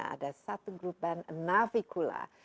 ada satu grup band navicula